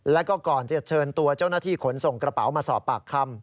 แล้วก็ก่อนจะเชิญตัวเจ้าหน้าที่ขนส่งกระเป๋ามาสอบปากคำ